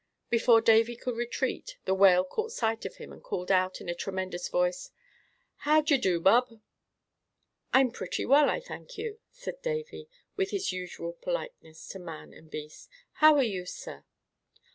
Before Davy could retreat the Whale caught sight of him and called out, in a tremendous voice, "How d'ye do, Bub?" "I'm pretty well, I thank you," said Davy, with his usual politeness to man and beast. "How are you, sir?"